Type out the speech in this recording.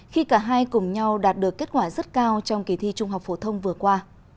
khi cả hai cùng nhau đạt được kết quả rất cao trong kỳ thi trung học phổ thông vừa qua